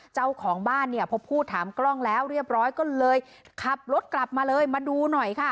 เจ้าของบ้านเนี่ยพอพูดถามกล้องแล้วเรียบร้อยก็เลยขับรถกลับมาเลยมาดูหน่อยค่ะ